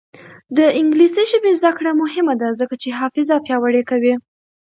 د انګلیسي ژبې زده کړه مهمه ده ځکه چې حافظه پیاوړې کوي.